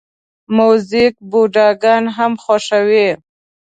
موزیک بوډاګان هم خوښوي.